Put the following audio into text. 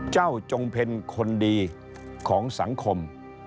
เจ้าจงเพลินคนดีของสังคม